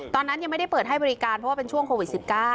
ตอนนั้นยังไม่ได้เปิดให้บริการเพราะว่าเป็นช่วงโควิด๑๙